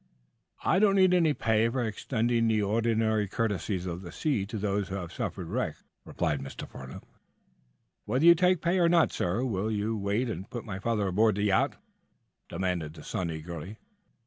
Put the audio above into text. "I do not need any pay for extending the ordinary courtesies of the sea to those who have suffered wreck," replied Mr. Farnum, a bit stiffly. "Whether you take pay or not, sir, will you wait and put my father aboard the yacht?" demanded the son eagerly.